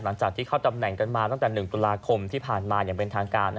หลังจากที่เข้าตำแหน่งกันมาตั้งแต่๑ตุลาคมที่ผ่านมาอย่างเป็นทางการ